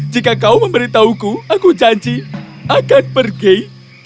jika kau memberitahuku aku janji akan pergi